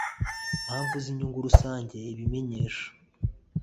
Mpamvu Z Inyungu Rusange Ibamenyesha